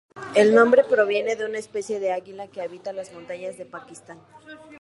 El nombre proviene de una especie de águila que habita las montañas de Pakistán.